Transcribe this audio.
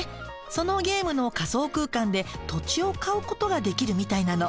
そのゲームの仮想空間で土地を買うことができるみたいなの。